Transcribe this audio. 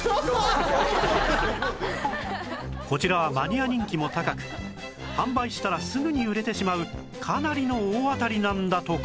こちらはマニア人気も高く販売したらすぐに売れてしまうかなりの大当たりなんだとか